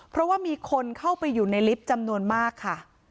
เพราะว่ามีคนเข้าไปอยู่ในลิฟต์จำนวนมากค่ะ